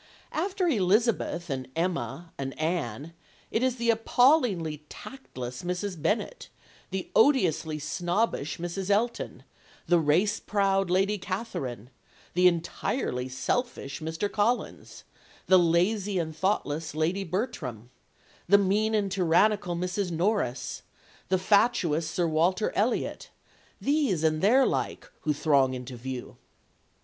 After Elizabeth, and Emma, and Anne, it is the appallingly tactless Mrs. Bennet, the odiously snobbish Mrs. Elton, the race proud Lady Catherine, the entirely selfish Mr. Collins, the lazy and thoughtless Lady Bertram, the mean and tyrannical Mrs. Norris, the fatuous Sir Walter Elliot, these and their like, who throng into view.